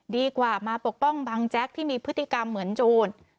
ดีกว่ามาปกป้องบังแจ๊กที่มีพฤติกรรมเหมือนโจร